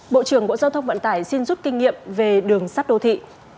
bộ trưởng bộ giao thông vận tải xin rút kinh nghiệm về đường sắt đô thị